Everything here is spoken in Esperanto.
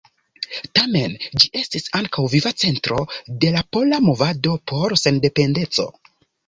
Tamen ĝi estis ankaŭ viva centro de la pola movado por sendependeco.